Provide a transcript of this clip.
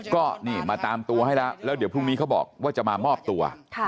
ก็นี่มาตามตัวให้แล้วแล้วเดี๋ยวพรุ่งนี้เขาบอกว่าจะมามอบตัว